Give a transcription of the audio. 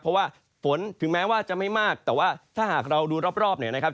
เพราะว่าฝนถึงแม้ว่าจะไม่มากแต่ว่าถ้าหากเราดูรอบเนี่ยนะครับ